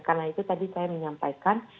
karena itu tadi saya menyampaikan